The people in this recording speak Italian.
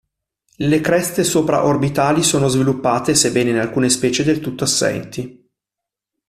Le creste sopra-orbitali sono sviluppate, sebbene in alcune specie del tutto assenti.